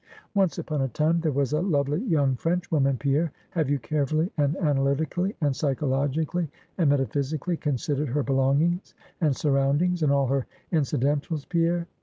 Once upon a time, there was a lovely young Frenchwoman, Pierre. Have you carefully, and analytically, and psychologically, and metaphysically, considered her belongings and surroundings, and all her incidentals, Pierre?